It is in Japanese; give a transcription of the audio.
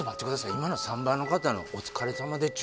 今の３番の方の「おちゅかれさまでちゅ」